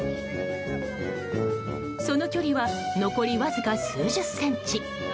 その距離は残りわずか数十センチ。